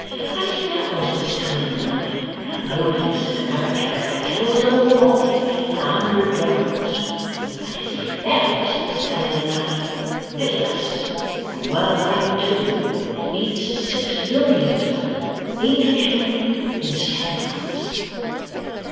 As if that wasn't stunning enough, Commodious, in another character, kills 'em all off in a hundred goes! As if that wasn't stunning enough, Vittle us (and well named too) eats six millions' worth, English money, in seven months!